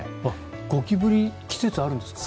ゴキブリ季節あるんですか？